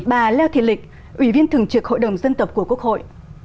bà leo thiệt lịch ủy viên thường trực hội đồng dân tập của quốc hội